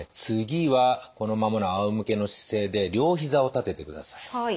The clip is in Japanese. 次はこのままのあおむけの姿勢で両膝を立ててください。